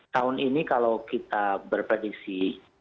tahun ini kalau kita berpredisi